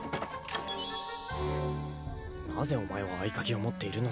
なぜお前は合鍵を持っているのだ？